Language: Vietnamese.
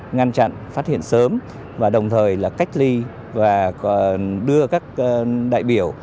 ngăn chặn phát hiện sớm và đồng thời là cách ly và đưa các đại biểu